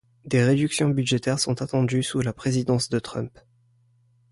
Des réductions budgétaires sont attendues sous la présidence de Trump.